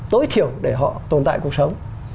tối thiểu để họ tồn tại cuộc sống